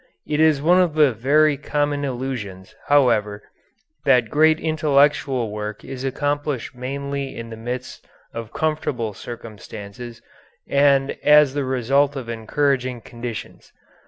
It is one of the very common illusions, however, that great intellectual work is accomplished mainly in the midst of comfortable circumstances and as the result of encouraging conditions.